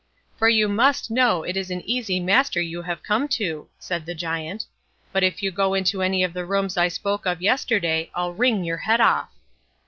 "For you must know, it is an easy master you have come to", said the Giant; "but if you go into any of the rooms I spoke of yesterday, I'll wring your head off."